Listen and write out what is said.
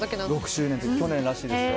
６周年、去年らしいですよ。